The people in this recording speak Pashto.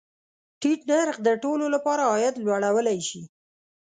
ټیټ نرخ د ټولو له پاره عاید لوړولی شي.